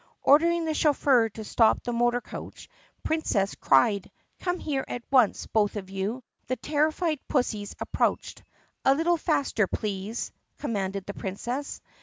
Ordering the chauffeur to stop the motor coach the Princess cried, "Come here at once, both of you!" The terrified pussies approached. "A little faster, please!" commanded the Princess.